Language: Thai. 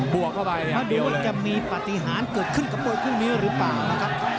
บวกเข้าไปอย่างเดียวเลยมาดูว่าจะมีปฏิหารเกิดขึ้นกับมือคู่นี้หรือเปล่านะครับ